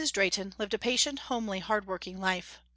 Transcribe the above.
Drehten lived a patient, homely, hard working life.